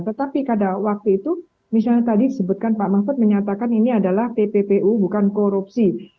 tetapi pada waktu itu misalnya tadi disebutkan pak mahfud menyatakan ini adalah tppu bukan korupsi